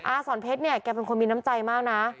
อาศรเพชรแกเป็นคนมีน้ำใจมากนะ